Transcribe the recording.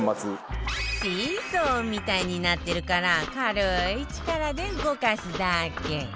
シーソーみたいになってるから軽い力で動かすだけ